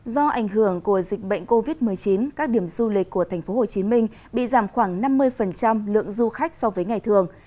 do ảnh hưởng của dịch bệnh covid một mươi chín các điểm du lịch của tp hcm bị giảm khoảng năm mươi lượng du khách so với ngày thường